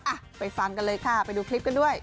อ่ะไปฟังกันเลยค่ะไปดูคลิปกันด้วย